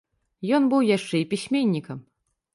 Ён быў яшчэ і пісьменнікам.